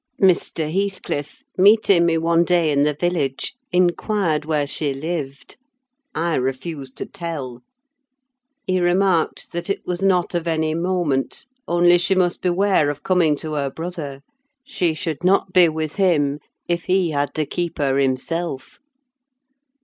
Mr. Heathcliff, meeting me one day in the village, inquired where she lived. I refused to tell. He remarked that it was not of any moment, only she must beware of coming to her brother: she should not be with him, if he had to keep her himself.